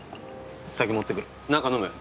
酒持ってくる何か飲む？